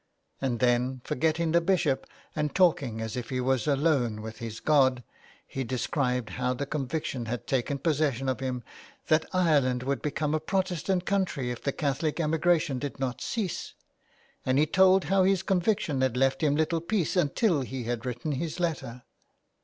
And then, forgetting the Bishop, and talking as if he were alone with his God, he described how the conviction had taken possession of him — that Ireland would become a Protestant country if the Catholic emigration did not cease. And he told how this conviction had left him little peace until he had written his letter.